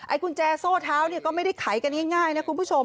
กุญแจโซ่เท้าเนี่ยก็ไม่ได้ไขกันง่ายนะคุณผู้ชม